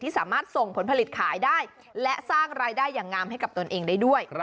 สามารถส่งผลผลิตขายได้และสร้างรายได้อย่างงามให้กับตนเองได้ด้วย